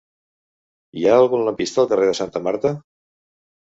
Hi ha algun lampista al carrer de Santa Marta?